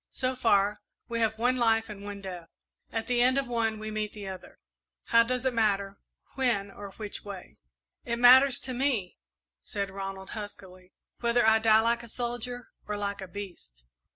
"So far, we have one life and one death; at the end of one we meet the other how does it matter, when or which way?" "It matters to me," said Ronald, huskily, "whether I die like a soldier or like a beast."